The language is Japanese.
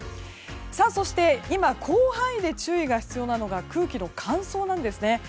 そして今広範囲で注意が必要なのが空気の乾燥なんです。